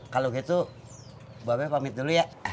kalau gitu mbak be pamit dulu ya